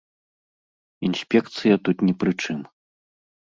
Інспекцыя тут ні пры чым.